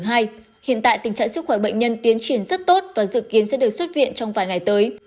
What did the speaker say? hiện tại tình trạng sức khỏe bệnh nhân tiến triển rất tốt và dự kiến sẽ được xuất viện trong vài ngày tới